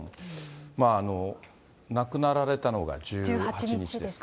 まあ、亡くなられたのが１８日ですか、